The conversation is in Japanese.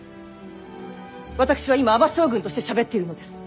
私は今尼将軍としてしゃべっているのです。